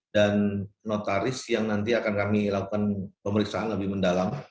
dan notaris yang nanti akan kami lakukan pemeriksaan lebih mendalam